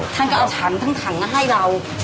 ท่านก็เอาฉันทั้งถังมาให้เรา